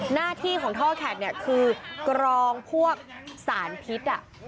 หน้าที่ของท่อแขกเนี่ยคือกรองพวกสารพิษ